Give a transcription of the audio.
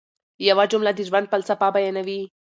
یوه جمله د ژوند فلسفه بیانوي.